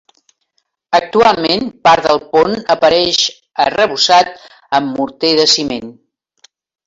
Actualment part del pont apareix arrebossat amb morter de ciment.